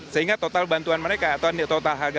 sehingga total bantuan mereka